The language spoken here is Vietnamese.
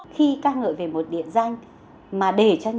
khi ca ngợi về một địa danh